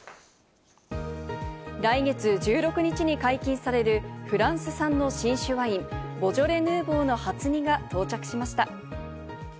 来月１６日に解禁されるフランス産の新酒ワイン、ボジョレ・ヌーボーの初荷が到着しました。